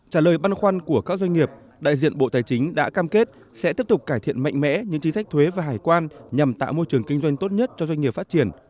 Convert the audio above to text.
trả lời băn khoăn của các doanh nghiệp đại diện bộ tài chính đã cam kết sẽ tiếp tục cải thiện mạnh mẽ những chính sách thuế và hải quan nhằm tạo môi trường kinh doanh tốt nhất cho doanh nghiệp phát triển